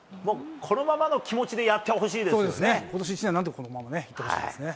このままの気持ちでやってほそうですね、ことし一年、なんとかこのままいってほしいですね。